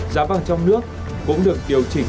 giá vàng trong nước cũng được điều chỉnh